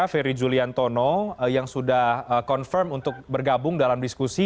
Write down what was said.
ferry juliantono yang sudah confirm untuk bergabung dalam diskusi